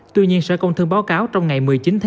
tuy nhiên sở công thương báo cáo trong ngày một mươi chín chín